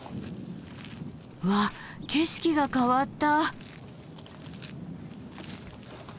わあ景色が変わった。